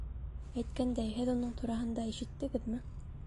Әйткәндәй, һеҙ уның тураһында ишеттегеҙме?